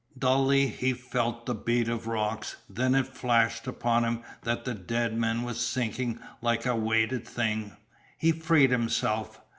Dully he felt the beat of rocks. Then it flashed upon him that the dead man was sinking like a weighted thing. He freed himself.